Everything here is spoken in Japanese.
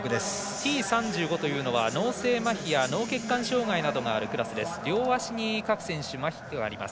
Ｔ３５というのは脳性まひや脳血管障がいなどがある選手です。